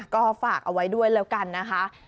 ก็ฝากเอาไว้ด้วยแล้วกันนะคะ